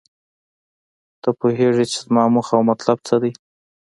ته پوهیږې چې زما موخه او مطلب څه دی